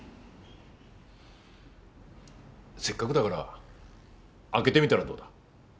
せっかくだから開けてみたらどうだ。